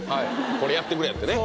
これやってくれってね